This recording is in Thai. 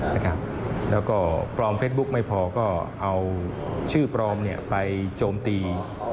แล้วก็ปลอมเฟซบุ๊กไม่พอก็เอาชื่อปลอมไปโจมตี